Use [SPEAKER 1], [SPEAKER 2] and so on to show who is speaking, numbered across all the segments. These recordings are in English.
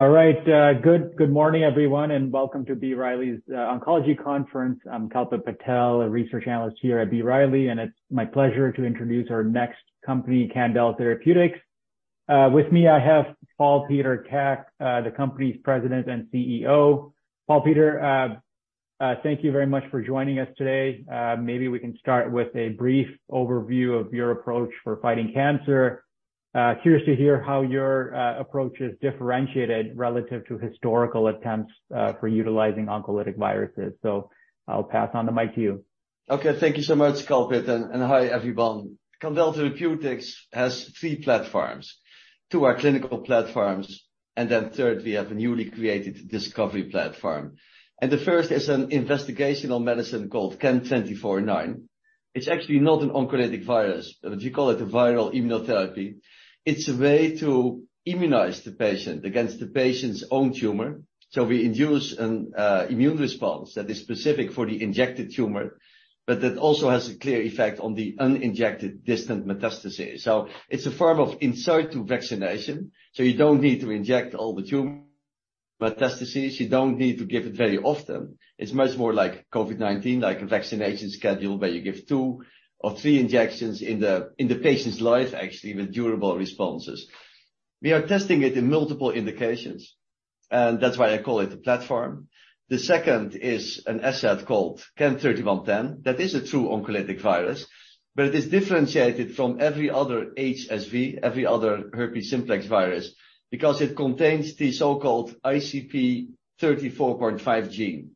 [SPEAKER 1] All right. Good morning, everyone, welcome to B. Riley's Oncology Conference. I'm Kalpit Patel, a research analyst here at B. Riley, it's my pleasure to introduce our next company, Candel Therapeutics. With me, I have Paul Peter Tak, the company's President and CEO. Paul Peter, thank you very much for joining us today. Maybe we can start with a brief overview of your approach for fighting cancer. Curious to hear how your approach is differentiated relative to historical attempts for utilizing oncolytic viruses. I'll pass on the mic to you.
[SPEAKER 2] Okay. Thank you so much, Kalpit, and hi, everyone. Candel Therapeutics has 3 platforms. 2 are clinical platforms. Third, we have a newly created discovery platform. The first is an investigational medicine called CAN-2409. It's actually not an oncolytic virus. We call it a viral immunotherapy. It's a way to immunize the patient against the patient's own tumor. We induce an immune response that is specific for the injected tumor, but that also has a clear effect on the uninjected distant metastasis. It's a form of in situ vaccination, so you don't need to inject all the tumor metastasis. You don't need to give it very often. It's much more like COVID-19, like a vaccination schedule where you give 2 or 3 injections in the patient's life, actually, with durable responses. We are testing it in multiple indications, and that's why I call it a platform. The second is an asset called CAN-3110. That is a true oncolytic virus, but it is differentiated from every other HSV, every other herpes simplex virus, because it contains the so-called ICP34.5 gene.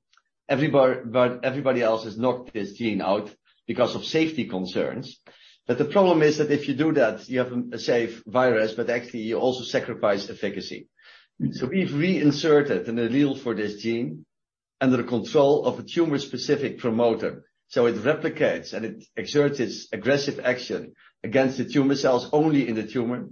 [SPEAKER 2] Everybody else has knocked this gene out because of safety concerns. The problem is that if you do that, you have a safe virus, but actually you also sacrifice efficacy. We've reinserted an allele for this gene under the control of a tumor-specific promoter, so it replicates, and it exerts its aggressive action against the tumor cells only in the tumor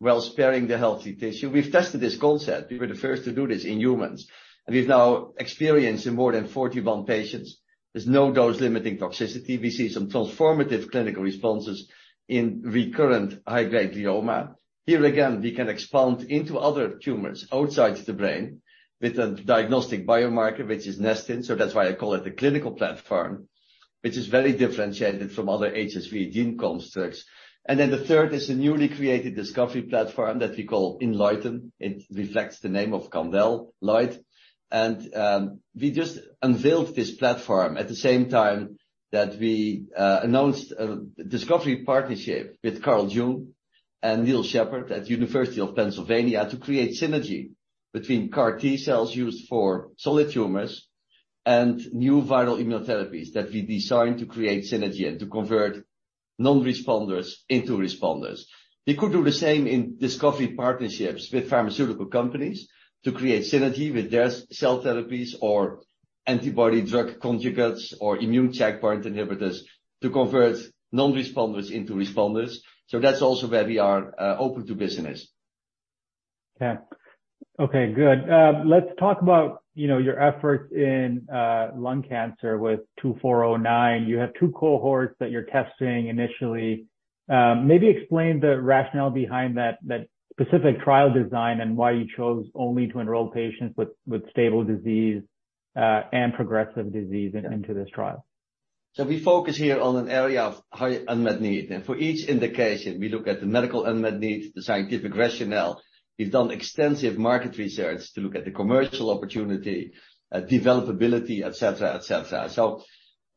[SPEAKER 2] while sparing the healthy tissue. We've tested this concept. We were the first to do this in humans. We've now experienced in more than 41 patients, there's no dose-limiting toxicity. We see some transformative clinical responses in recurrent high-grade glioma. Here again, we can expand into other tumors outside the brain with a diagnostic biomarker, which is nestin. That's why I call it a clinical platform, which is very differentiated from other HSV gene constructs. The third is a newly created discovery platform that we call ENLIGHTEN. It reflects the name of Candel, light. We just unveiled this platform at the same time that we announced a discovery partnership with Carl June and Neil Sheppard at University of Pennsylvania to create synergy between CAR T-cells used for solid tumors and new viral immunotherapies that we designed to create synergy and to convert non-responders into responders. We could do the same in discovery partnerships with pharmaceutical companies to create synergy with their cell therapies or antibody-drug conjugates or immune checkpoint inhibitors to convert non-responders into responders. That's also where we are open to business.
[SPEAKER 1] Okay. Okay, good. Let's talk about, you know, your efforts in lung cancer with CAN-2409. You have two cohorts that you're testing initially. Maybe explain the rationale behind that specific trial design and why you chose only to enroll patients with stable disease and progressive disease into this trial.
[SPEAKER 2] We focus here on an area of high unmet need. For each indication, we look at the medical unmet need, the scientific rationale. We've done extensive market research to look at the commercial opportunity, developability, et cetera, et cetera.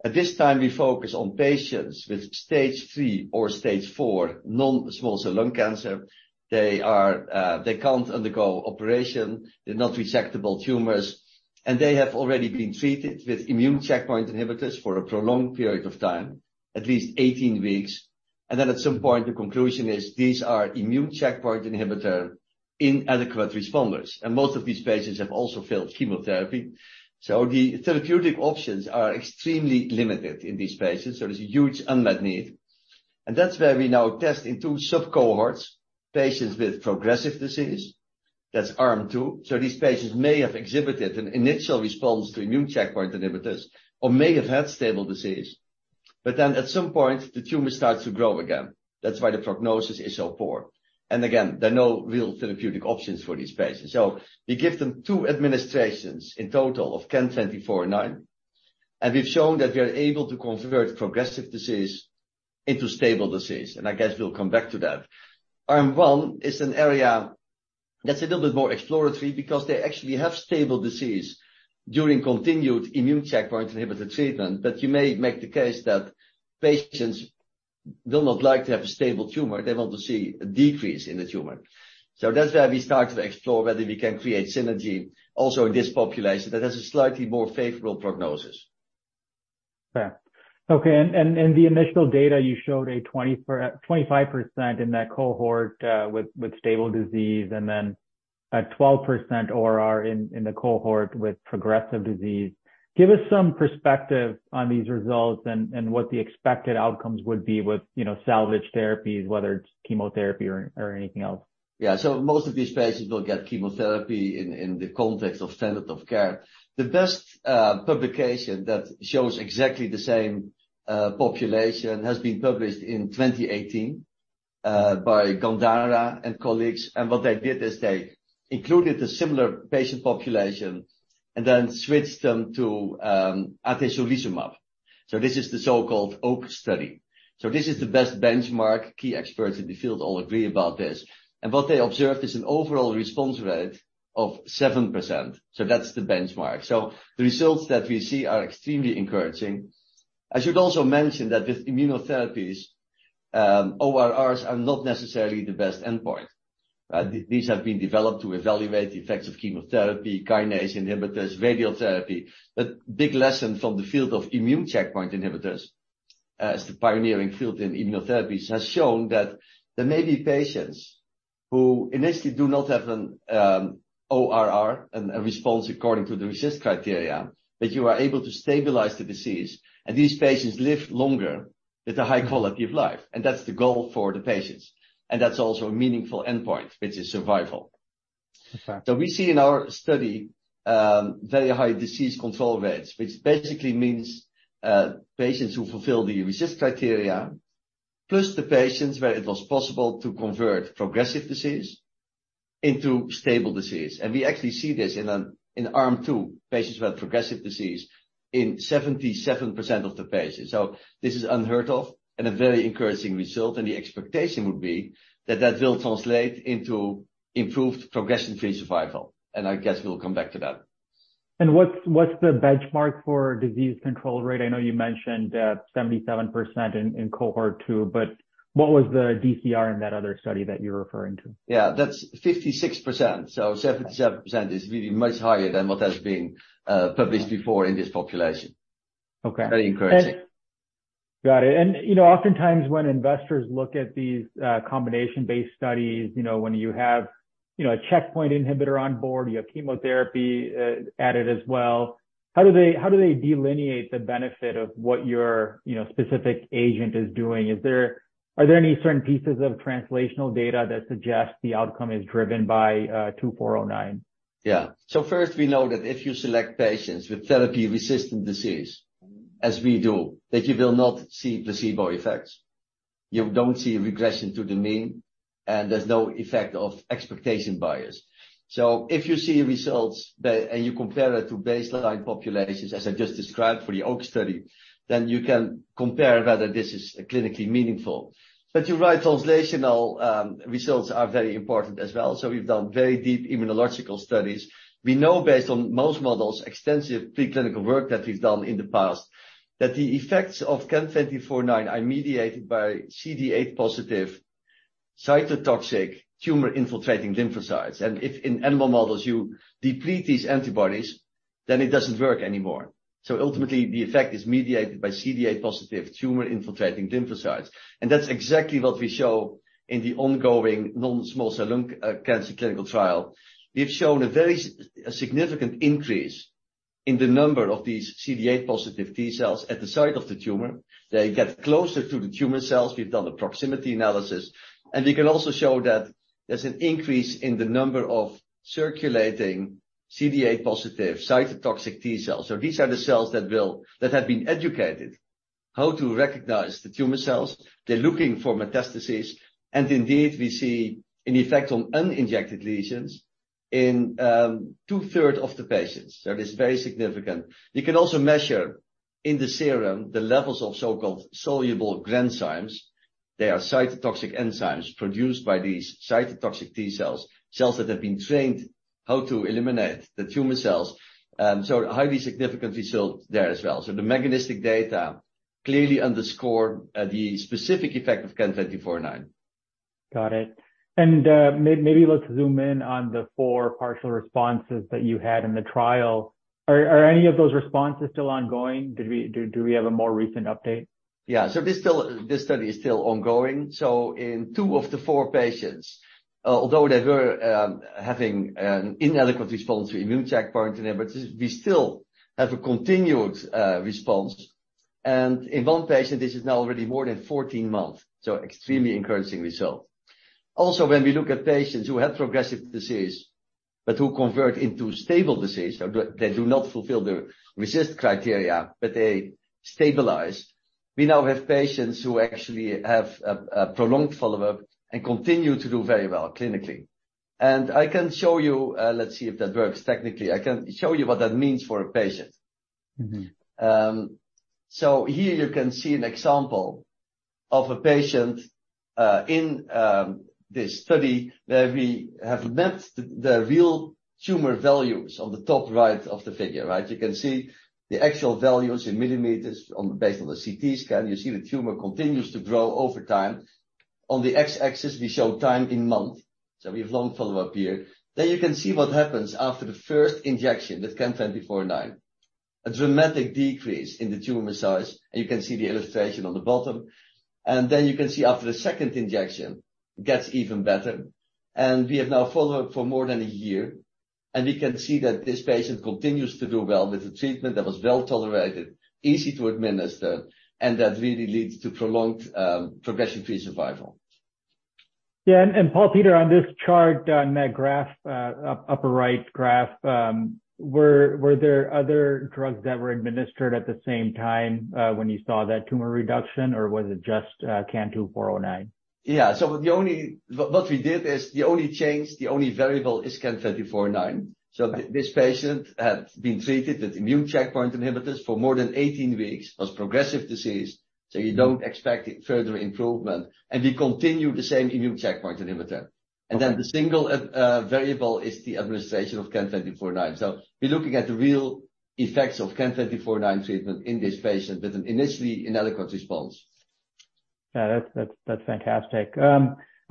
[SPEAKER 2] At this time, we focus on patients with stage 3 or stage 4 non-small cell lung cancer. They can't undergo operation. They're not resectable tumors, and they have already been treated with immune checkpoint inhibitors for a prolonged period of time, at least 18 weeks. Then at some point, the conclusion is these are immune checkpoint inhibitor inadequate responders. Most of these patients have also failed chemotherapy. The therapeutic options are extremely limited in these patients, so there's a huge unmet need. That's where we now test in 2 sub-cohorts patients with progressive disease. That's arm 2. These patients may have exhibited an initial response to immune checkpoint inhibitors or may have had stable disease. At some point, the tumor starts to grow again. That's why the prognosis is so poor. Again, there are no real therapeutic options for these patients. We give them two administrations in total of CAN-2409, and we've shown that we are able to convert progressive disease into stable disease. I guess we'll come back to that. Arm one is an area that's a little bit more exploratory because they actually have stable disease during continued immune checkpoint inhibitor treatment. You may make the case that patients do not like to have a stable tumor. They want to see a decrease in the tumor. That's where we start to explore whether we can create synergy also in this population that has a slightly more favorable prognosis.
[SPEAKER 1] Okay. In the initial data, you showed a 25% in that cohort, with stable disease and then a 12% ORR in the cohort with progressive disease. Give us some perspective on these results and what the expected outcomes would be with, you know, salvage therapies, whether it's chemotherapy or anything else.
[SPEAKER 2] Yeah. Most of these patients will get chemotherapy in the context of standard of care. The best publication that shows exactly the same population has been published in 2018 by Gandara and colleagues. What they did is they included a similar patient population and then switched them to atezolizumab. This is the so-called OAK study. This is the best benchmark. Key experts in the field all agree about this. What they observed is an overall response rate of 7%. That's the benchmark. The results that we see are extremely encouraging. I should also mention that with immunotherapies, ORRs are not necessarily the best endpoint. These have been developed to evaluate the effects of chemotherapy, kinase inhibitors, radiation therapy. Big lesson from the field of immune checkpoint inhibitors, as the pioneering field in immunotherapies has shown that there may be patients who initially do not have an ORR and a response according to the RECIST criteria, but you are able to stabilize the disease. These patients live longer with a high quality of life, and that's the goal for the patients. That's also a meaningful endpoint, which is survival.
[SPEAKER 1] The fact.
[SPEAKER 2] We see in our study, very high disease control rates, which basically means patients who fulfill the RECIST criteria, plus the patients where it was possible to convert progressive disease into stable disease. We actually see this in arm 2, patients who had progressive disease in 77% of the patients. This is unheard of and a very encouraging result, and the expectation would be that that will translate into improved progression-free survival. I guess we'll come back to that.
[SPEAKER 1] What's the benchmark for disease control rate? I know you mentioned, 77% in cohort two, but what was the DCR in that other study that you're referring to?
[SPEAKER 2] Yeah, that's 56%. 77% is really much higher than what has been published before in this population.
[SPEAKER 1] Okay.
[SPEAKER 2] Very encouraging.
[SPEAKER 1] Got it. You know, oftentimes when investors look at these, combination-based studies, you know, when you have, you know, a checkpoint inhibitor on board, you have chemotherapy, added as well, how do they delineate the benefit of what your, you know, specific agent is doing? Are there any certain pieces of translational data that suggest the outcome is driven by 2409?
[SPEAKER 2] Yeah. First we know that if you select patients with therapy-resistant disease, as we do, that you will not see placebo effects. You don't see regression to the mean, and there's no effect of expectation bias. If you see results and you compare it to baseline populations, as I just described for the OAK study, then you can compare whether this is clinically meaningful. You're right, translational results are very important as well. We've done very deep immunological studies. We know based on mouse models, extensive preclinical work that we've done in the past, that the effects of CAN-2409 are mediated by CD8 positive cytotoxic tumor-infiltrating lymphocytes. If in animal models you deplete these antibodies, then it doesn't work anymore. Ultimately, the effect is mediated by CD8 positive tumor-infiltrating lymphocytes. That's exactly what we show in the ongoing non-small cell lung cancer clinical trial. We've shown a very significant increase in the number of these CD8 positive T cells at the site of the tumor. They get closer to the tumor cells. We've done a proximity analysis, and we can also show that there's an increase in the number of circulating CD8 positive cytotoxic T cells. These are the cells that have been educated how to recognize the tumor cells. They're looking for metastasis. Indeed, we see an effect on uninjected lesions in two-third of the patients. That is very significant. You can also measure in the serum the levels of so-called soluble granzymes. They are cytotoxic enzymes produced by these cytotoxic T cells that have been trained how to eliminate the tumor cells. Highly significant results there as well. The mechanistic data clearly underscore the specific effect of CAN-2409.
[SPEAKER 1] Got it. maybe let's zoom in on the four partial responses that you had in the trial. Are any of those responses still ongoing? Do we have a more recent update?
[SPEAKER 2] This study is still ongoing. In 2 of the 4 patients, although they were having an inadequate response to immune checkpoint inhibitors, we still have a continued response. In 1 patient, this is now already more than 14 months. Extremely encouraging result. When we look at patients who had progressive disease, but who convert into stable disease, so they do not fulfill the RECIST criteria, but they stabilize. We now have patients who actually have a prolonged follow-up and continue to do very well clinically. I can show you, let's see if that works technically. I can show you what that means for a patient.
[SPEAKER 1] Mm-hmm.
[SPEAKER 2] Here you can see an example of a patient in this study where we have mapped the real tumor values on the top right of the figure. Right? You can see the actual values in millimeters based on the CT scan. You see the tumor continues to grow over time. On the x-axis, we show time in month, so we have long follow-up here. You can see what happens after the first injection with CAN-2409. A dramatic decrease in the tumor size, and you can see the illustration on the bottom. You can see after the second injection, gets even better. We have now followed for more than a year, and we can see that this patient continues to do well with the treatment that was well-tolerated, easy to administer, and that really leads to prolonged progression-free survival.
[SPEAKER 1] Yeah. Paul Peter, on this chart, on that graph, upper right graph, were there other drugs that were administered at the same time, when you saw that tumor reduction or was it just, CAN-2409?
[SPEAKER 2] Yeah. What we did is the only change, the only variable is CAN-2409.
[SPEAKER 1] Okay.
[SPEAKER 2] This patient had been treated with immune checkpoint inhibitors for more than 18 weeks, has progressive disease. You don't expect further improvement. We continue the same immune checkpoint inhibitor.
[SPEAKER 1] Okay.
[SPEAKER 2] The single variable is the administration of CAN-2409. We're looking at the real effects of CAN-2409 treatment in this patient with an initially inadequate response.
[SPEAKER 1] Yeah, that's fantastic.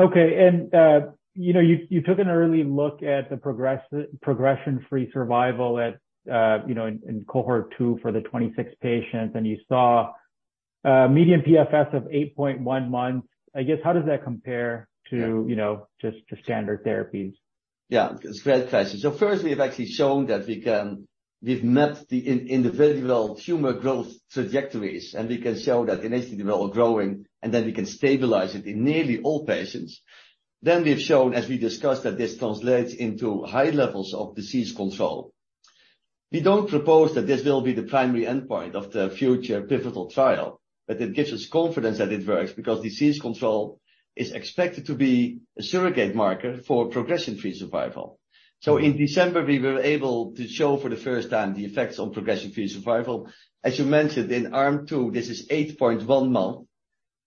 [SPEAKER 1] Okay. You know, you took an early look at the progression-free survival at, you know, in cohort 2 for the 26 patients, and you saw median PFS of 8.1 months. I guess, how does that compare to-
[SPEAKER 2] Yeah.
[SPEAKER 1] You know, just to standard therapies?
[SPEAKER 2] It's a great question. First, we have actually shown that we've mapped the individual tumor growth trajectories, we can show that initially they're all growing, then we can stabilize it in nearly all patients. We've shown, as we discussed, that this translates into high levels of disease control. We don't propose that this will be the primary endpoint of the future pivotal trial, it gives us confidence that it works because disease control is expected to be a surrogate marker for progression-free survival. In December, we were able to show for the first time the effects on progression-free survival. As you mentioned, in Arm 2, this is 8.1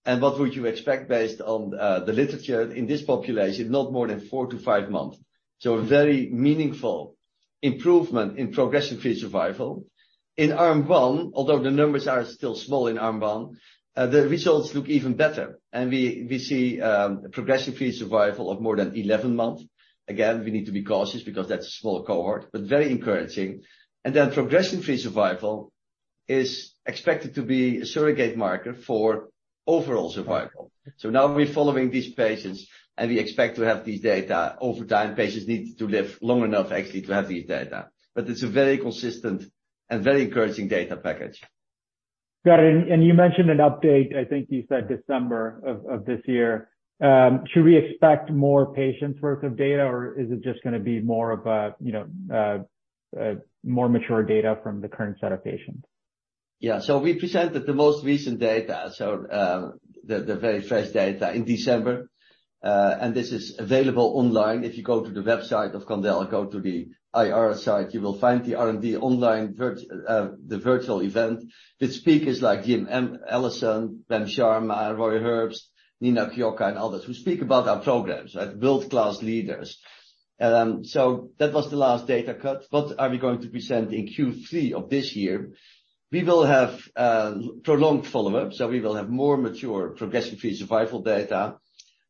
[SPEAKER 2] month. What would you expect based on the literature in this population? Not more than 4-5 months. A very meaningful improvement in progression-free survival. In arm one, although the numbers are still small in arm one, the results look even better. We see progression-free survival of more than 11 months. Again, we need to be cautious because that's a small cohort, but very encouraging. Progression-free survival is expected to be a surrogate marker for overall survival. Now we're following these patients, and we expect to have these data over time. Patients need to live long enough actually to have these data. It's a very consistent and very encouraging data package.
[SPEAKER 1] Got it. You mentioned an update, I think you said December of this year. Should we expect more patients worth of data, or is it just gonna be more of a, you know, a more mature data from the current set of patients?
[SPEAKER 2] We presented the most recent data, the very fresh data in December. This is available online. If you go to the website of Candel or go to the IR site, you will find the R&D online virtual event with speakers like Jim Ellison, Ben Sharma, Roy Herbst, Nina Kyokai, and others who speak about our programs as world-class leaders. That was the last data cut. What are we going to present in Q3 of this year? We will have prolonged follow-up, we will have more mature progression-free survival data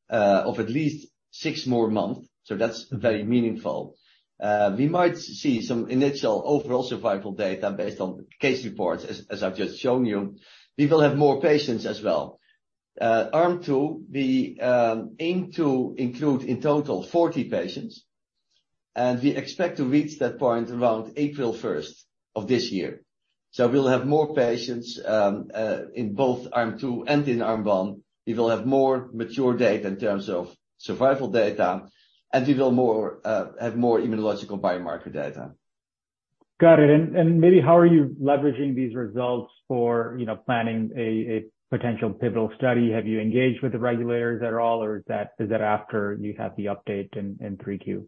[SPEAKER 2] of at least six more months. That's very meaningful. We might see some initial overall survival data based on case reports, as I've just shown you. We will have more patients as well. Arm 2, we aim to include in total 40 patients, and we expect to reach that point around April 1st of this year. We'll have more patients in both arm 2 and in arm 1. We will have more mature data in terms of survival data, and we will have more immunological biomarker data.
[SPEAKER 1] Got it. Maybe how are you leveraging these results for, you know, planning a potential pivotal study? Have you engaged with the regulators at all, or is that after you have the update in 3Q?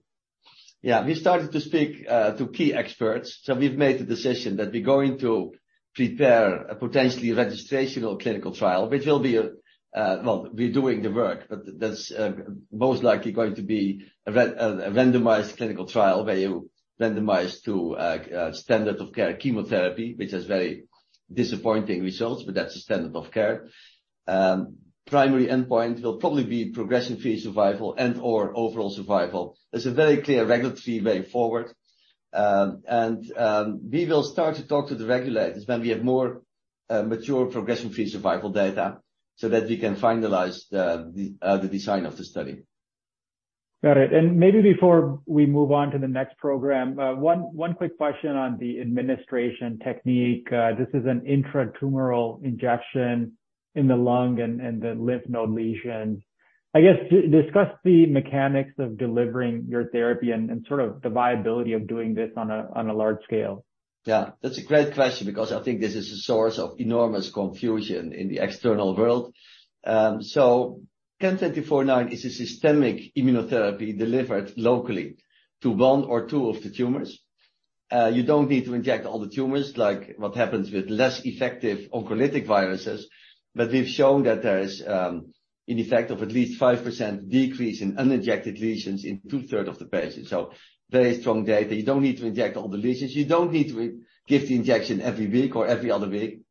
[SPEAKER 2] Yeah. We started to speak to key experts. We've made the decision that we're going to prepare a potentially registrational clinical trial, which will be a, well, we're doing the work, but that's most likely going to be a randomized clinical trial where you randomize to a standard of care chemotherapy, which has very disappointing results, but that's the standard of care. Primary endpoint will probably be progression-free survival and or overall survival. There's a very clear regulatory way forward. We will start to talk to the regulators when we have more mature progression-free survival data so that we can finalize the design of the study.
[SPEAKER 1] Got it. Maybe before we move on to the next program, one quick question on the administration technique. This is an intratumoral injection in the lung and the lymph node lesions. I guess, discuss the mechanics of delivering your therapy and sort of the viability of doing this on a large scale.
[SPEAKER 2] Yeah. That's a great question because I think this is a source of enormous confusion in the external world. CAN-2409 is a systemic immunotherapy delivered locally to one or two of the tumors. You don't need to inject all the tumors like what happens with less effective oncolytic viruses. We've shown that there is an effect of at least 5% decrease in uninjected lesions in two-thirds of the patients. Very strong data. You don't need to inject all the lesions. You don't need to give the injection every week or every other week.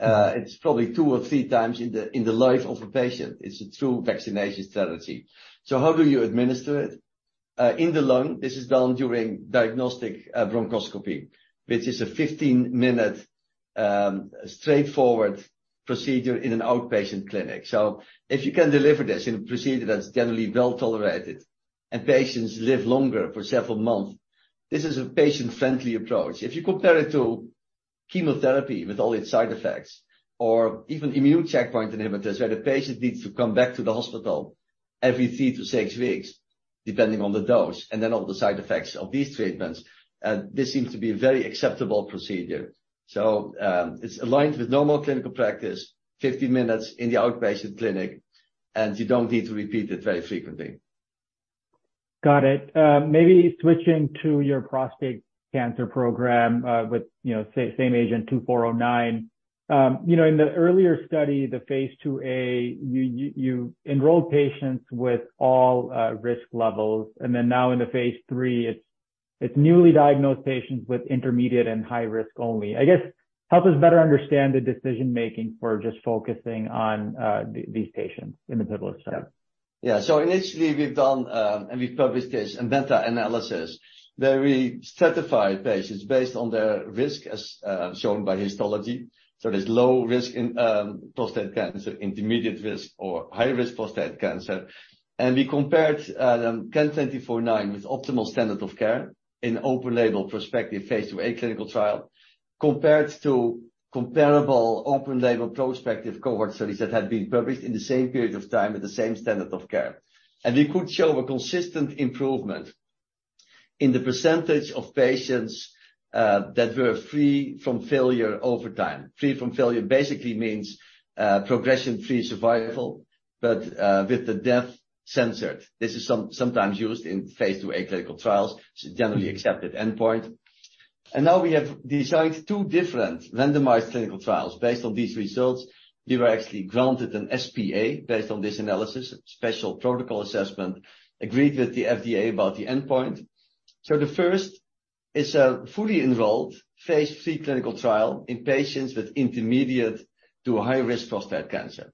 [SPEAKER 2] It's probably two or three times in the, in the life of a patient. It's a true vaccination strategy. How do you administer it? In the lung, this is done during diagnostic bronchoscopy, which is a 15-minute straightforward procedure in an outpatient clinic. If you can deliver this in a procedure that's generally well-tolerated and patients live longer for several months, this is a patient-friendly approach. If you compare it to chemotherapy with all its side effects, or even immune checkpoint inhibitors, where the patient needs to come back to the hospital every three to six weeks, depending on the dose, and then all the side effects of these treatments. This seems to be a very acceptable procedure. It's aligned with normal clinical practice, 50 minutes in the outpatient clinic, and you don't need to repeat it very frequently.
[SPEAKER 1] Got it. Maybe switching to your prostate cancer program, with, you know, same agent CAN-2409. You know, in the earlier study, the phase II-A, you enrolled patients with all risk levels, and then now in the phase III, it's newly diagnosed patients with intermediate and high risk only. I guess, help us better understand the decision-making for just focusing on these patients in the pivotal study.
[SPEAKER 2] Yeah. Initially we've done, and we've published this meta-analysis, where we certified patients based on their risk as shown by histology. There's low risk in prostate cancer, intermediate risk or high risk prostate cancer. We compared CAN-2409 with optimal standard of care in open label prospective phase II-A clinical trial, compared to comparable open label prospective cohort studies that had been published in the same period of time with the same standard of care. We could show a consistent improvement in the percentage of patients that were free from failure over time. Free from failure basically means progression-free survival, with the death censored. This is sometimes used in phase II-A clinical trials. It's a generally accepted endpoint. Now we have designed two different randomized clinical trials based on these results. We were actually granted an SPA based on this analysis, Special Protocol Assessment, agreed with the FDA about the endpoint. The first is a fully enrolled phase III clinical trial in patients with intermediate to high risk prostate cancer.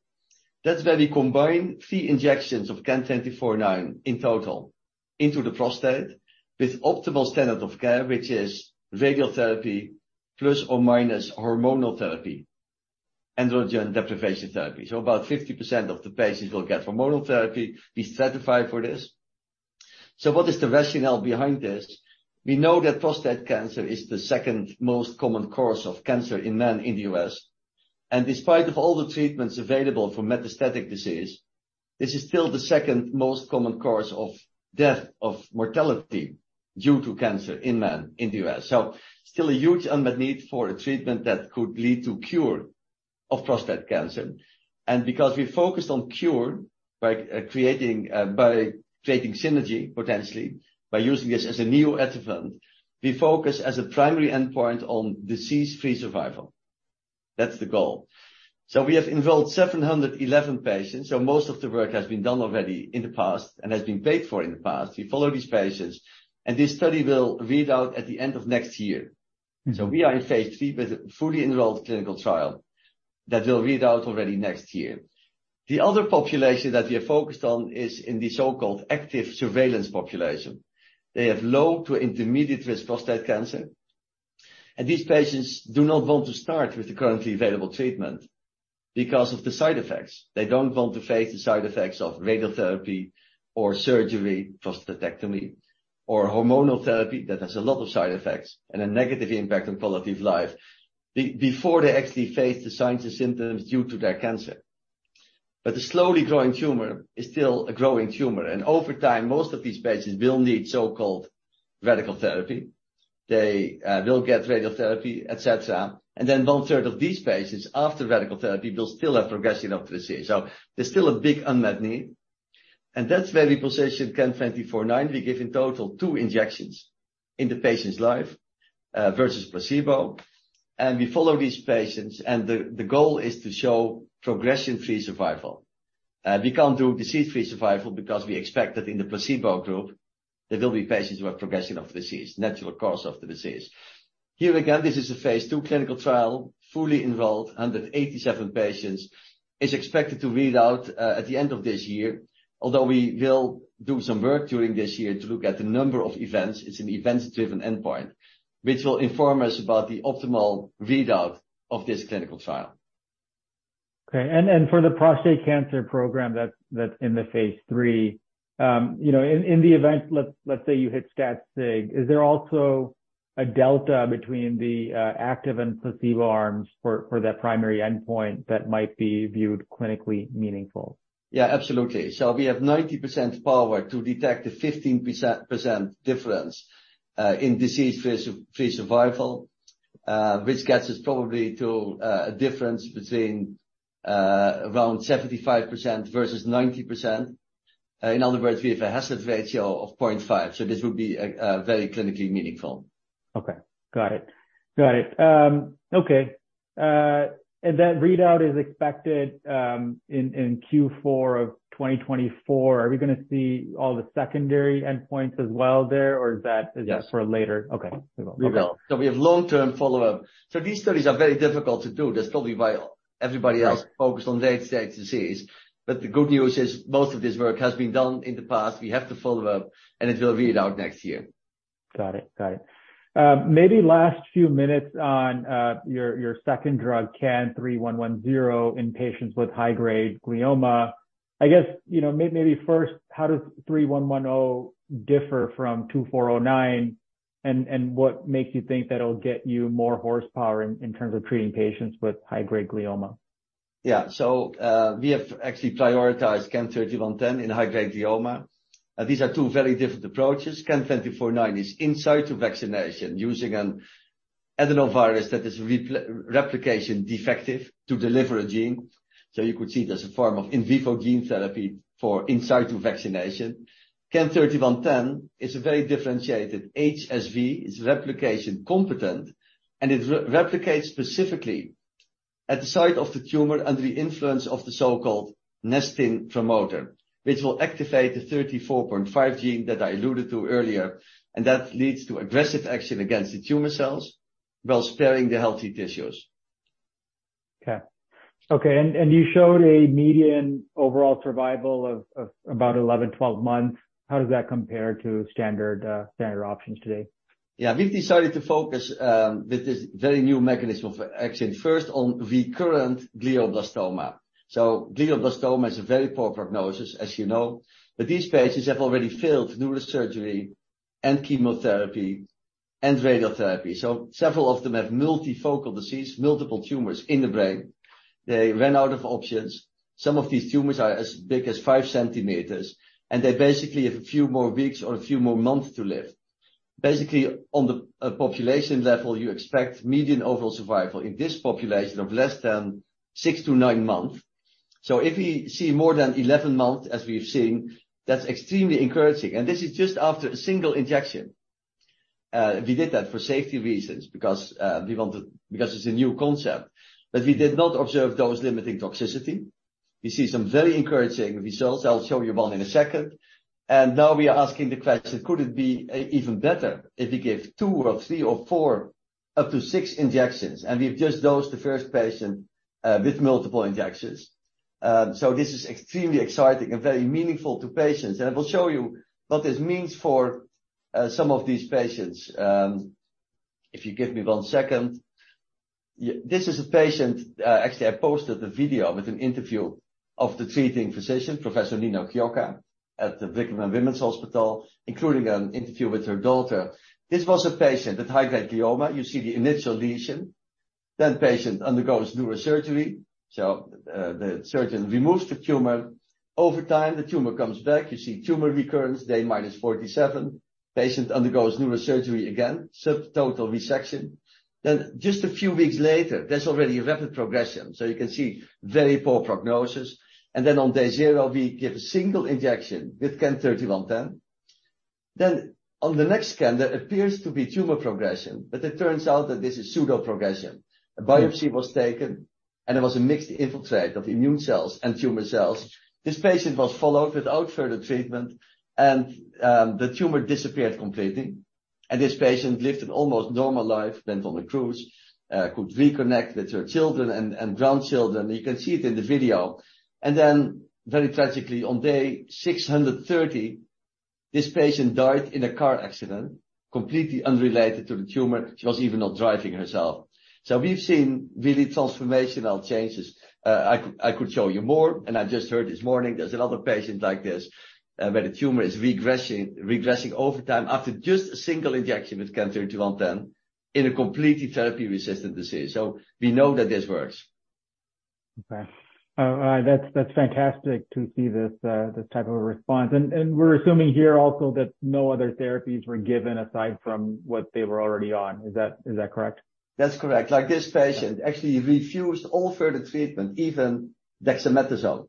[SPEAKER 2] That's where we combine three injections of CAN-2409 in total into the prostate with optimal standard of care, which is radiation therapy plus or minus hormonal therapy, androgen deprivation therapy. About 50% of the patients will get hormonal therapy. We certify for this. What is the rationale behind this? We know that prostate cancer is the second most common cause of cancer in men in the U.S. Despite of all the treatments available for metastatic disease, this is still the second most common cause of death, of mortality due to cancer in men in the U.S. Still a huge unmet need for a treatment that could lead to cure of prostate cancer. Because we focused on cure by creating synergy, potentially, by using this as a new adjuvant, we focus as a primary endpoint on disease-free survival. That's the goal. We have enrolled 711 patients, so most of the work has been done already in the past and has been paid for in the past. We follow these patients, and this study will read out at the end of next year.
[SPEAKER 1] Mm-hmm.
[SPEAKER 2] We are in phase III with a fully enrolled clinical trial that will read out already next year. The other population that we are focused on is in the so-called active surveillance population. They have low to intermediate risk prostate cancer, and these patients do not want to start with the currently available treatment because of the side effects. They don't want to face the side effects of radiation therapy or surgery, prostatectomy, or hormonal therapy, that has a lot of side effects and a negative impact on quality of life, before they actually face the signs and symptoms due to their cancer. The slowly growing tumor is still a growing tumor, and over time, most of these patients will need so-called radical therapy. They will get radiation therapy, et cetera. One third of these patients after radical therapy will still have progression of the disease. There's still a big unmet need. That's where we position CAN-2409. We give in total two injections in the patient's life versus placebo. We follow these patients, and the goal is to show progression-free survival. We can't do disease-free survival because we expect that in the placebo group, there will be patients who have progression of the disease, natural course of the disease. Here again, this is a phase II clinical trial, fully enrolled, 187 patients, is expected to read out at the end of this year. We will do some work during this year to look at the number of events, it's an event-driven endpoint, which will inform us about the optimal readout of this clinical trial.
[SPEAKER 1] Okay. For the prostate cancer program that's in the phase III, you know, in the event, let's say you hit stat sig, is there also a delta between the active and placebo arms for that primary endpoint that might be viewed clinically meaningful?
[SPEAKER 2] Yeah, absolutely. We have 90% power to detect a 15% difference in disease-free survival, which gets us probably to a difference between around 75% versus 90%. In other words, we have a hazard ratio of 0.5, so this would be very clinically meaningful.
[SPEAKER 1] Okay. Got it. Got it. Okay. That readout is expected in Q4 of 2024. Are we gonna see all the secondary endpoints as well there, or is that-
[SPEAKER 2] Yes.
[SPEAKER 1] for later? Okay. We will.
[SPEAKER 2] We will. We have long-term follow-up. These studies are very difficult to do. That's probably why everybody else-
[SPEAKER 1] Right.
[SPEAKER 2] focused on late-stage disease. The good news is most of this work has been done in the past. We have to follow up, it will read out next year.
[SPEAKER 1] Got it. Got it. Maybe last few minutes on your second drug, CAN-3110, in patients with high-grade glioma. I guess, you know, maybe first, how does 3110 differ from 2409? What makes you think that'll get you more horsepower in terms of treating patients with high-grade glioma?
[SPEAKER 2] Yeah. We have actually prioritized CAN-3110 in high-grade glioma. These are two very different approaches. CAN-249 is in situ vaccination using an adenovirus that is replication defective to deliver a gene. You could see it as a form of in vivo gene therapy for in situ vaccination. CAN-3110 is a very differentiated HSV, is replication competent, and it replicates specifically at the site of the tumor under the influence of the so-called nestin promoter, which will activate the 34.5 gene that I alluded to earlier. That leads to aggressive action against the tumor cells while sparing the healthy tissues.
[SPEAKER 1] Okay. Okay, you showed a median overall survival of about 11, 12 months. How does that compare to standard options today?
[SPEAKER 2] We've decided to focus with this very new mechanism of action, first on recurrent glioblastoma. Glioblastoma is a very poor prognosis, as you know. These patients have already failed neurosurgery and chemotherapy and radiotherapy. Several of them have multifocal disease, multiple tumors in the brain. They ran out of options. Some of these tumors are as big as 5 centimeters, and they basically have a few more weeks or a few more months to live. Basically, on the population level, you expect median overall survival in this population of less than 6-9 months. If we see more than 11 months as we've seen, that's extremely encouraging. This is just after a single injection. We did that for safety reasons because we wanted because it's a new concept. We did not observe dose-limiting toxicity. We see some very encouraging results. I'll show you one in a second. Now we are asking the question, could it be even better if we give 2 or 3 or 4, up to 6 injections? We've just dosed the first patient with multiple injections. This is extremely exciting and very meaningful to patients. I will show you what this means for some of these patients if you give me one second. Yeah. This is a patient. Actually, I posted a video with an interview of the treating physician, Professor Nino Chiocca, at the Brigham and Women's Hospital, including an interview with her daughter. This was a patient with high-grade glioma. You see the initial lesion. Patient undergoes neurosurgery. The surgeon removes the tumor. Over time, the tumor comes back. You see tumor recurrence, day minus 47. Patient undergoes neurosurgery again, subtotal resection. Just a few weeks later, there's already a rapid progression. You can see very poor prognosis. On day zero, we give a single injection with CAN-3110. On the next scan, there appears to be tumor progression. It turns out that this is pseudoprogression.
[SPEAKER 1] Mm-hmm.
[SPEAKER 2] A biopsy was taken, and it was a mixed infiltrate of immune cells and tumor cells. This patient was followed without further treatment, the tumor disappeared completely. This patient lived an almost normal life, went on a cruise, could reconnect with her children and grandchildren. You can see it in the video. Very tragically, on day 630, this patient died in a car accident completely unrelated to the tumor. She was even not driving herself. We've seen really transformational changes. I could show you more. I just heard this morning there's another patient like this, where the tumor is regressing over time after just a single injection with CAN-3110 in a completely therapy-resistant disease. We know that this works.
[SPEAKER 1] Okay. That's fantastic to see this type of a response. We're assuming here also that no other therapies were given aside from what they were already on. Is that correct?
[SPEAKER 2] That's correct. Like, this patient actually refused all further treatment, even dexamethasone.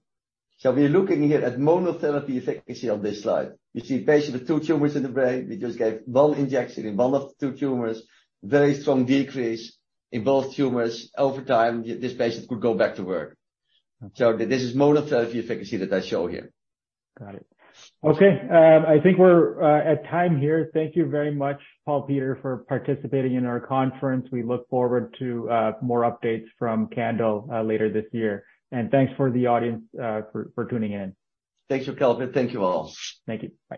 [SPEAKER 2] We're looking here at monotherapy efficacy on this slide. You see a patient with two tumors in the brain. We just gave one injection in one of the two tumors. Very strong decrease in both tumors over time. This patient could go back to work.
[SPEAKER 1] Okay.
[SPEAKER 2] This is monotherapy efficacy that I show here.
[SPEAKER 1] Got it. Okay. I think we're at time here. Thank you very much, Paul Peter, for participating in our conference. We look forward to more updates from Candel later this year. Thanks for the audience for tuning in.
[SPEAKER 2] Thanks for Kalvin. Thank you all.
[SPEAKER 1] Thank you. Bye.